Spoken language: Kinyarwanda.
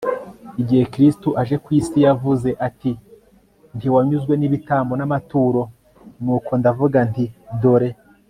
igihe kristu aje ku isi yavuze ati ntiwanyuzwe n'ibitambo n'amaturo... nuko ndavuga nti dore